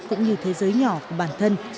cũng như thế giới nhỏ của bản thân